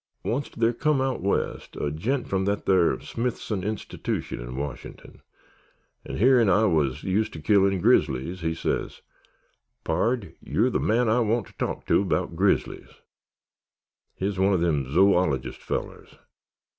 Onct thar come out west a gent from that thar Smithson Institution in Wash'n'ton, 'n' hearin't I wuz used ter killin' grizzlies he sez, 'Pard, you're the man I want ter talk to 'baout grizzlies.' He wuz one o' them zoologist fellers.